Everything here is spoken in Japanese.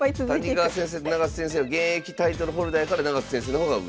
谷川先生と永瀬先生の現役タイトルホルダーやから永瀬先生の方が上。